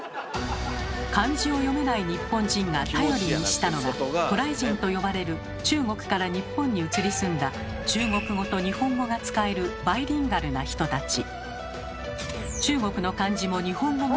漢字を読めない日本人が頼りにしたのが「渡来人」と呼ばれる中国から日本に移り住んだ中国語と日本語が使えるバイリンガルな人たち。